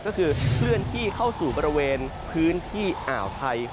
ก็คือเคลื่อนที่เข้าสู่บริเวณพื้นที่อ่าวไทย